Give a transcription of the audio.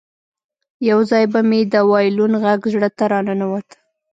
یو ځای به مې د وایلون غږ زړه ته راننوت